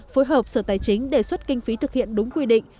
phối hợp sở tài chính đề xuất kinh phí thực hiện đúng quy định